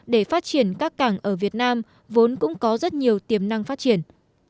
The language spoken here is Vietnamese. để phát triển các cảng ở việt nam vốn cũng có rất nhiều tiềm năng phát triển